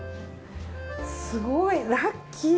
すごいラッキー！